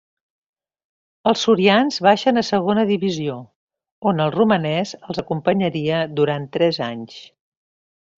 Els sorians baixen a Segona Divisió, on el romanès els acompanyaria durant tres anys.